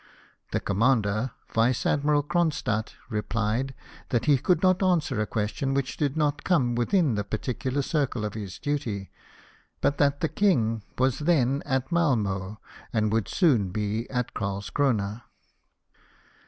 The com mander, Vice Admiral Cronstadt, replied, " that he could not answer a question which did not come within the particular circle of his duty ; but that the king was then at Malmoe, and would soon be at Carlscrona."